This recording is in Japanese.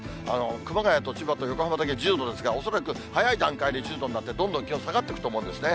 熊谷と千葉と横浜だけ１０度ですが、恐らく早い段階で１０度になって、どんどん気温下がっていくと思うんですね。